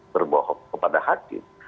berbohong kepada hakim